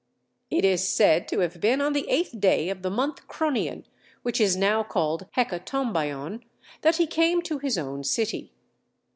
It is said to have been on the eighth day of the month Cronion, which is now called Hecatombaion, that he came to his own city.